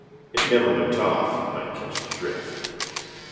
"It never went off" you will catch the drift.